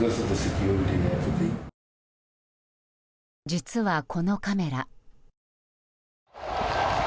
実は、このカメラ。